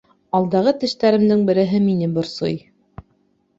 Алдағы тештәремдең береһе мине борсой